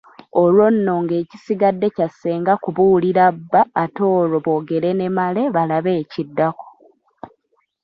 Olwo nno ng'ekisigadde kya ssenga kubuulira bba ate olwo boogere ne Male balabe ekiddako.